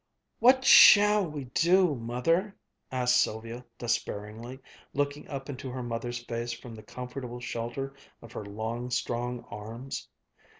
"What shall we do, Mother?" asked Sylvia despairingly, looking up into her mother's face from the comfortable shelter of her long, strong arms.